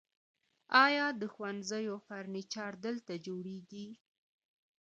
آیا د ښوونځیو فرنیچر دلته جوړیږي؟